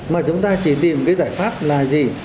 mà chúng ta chỉ tìm cái giải pháp là gì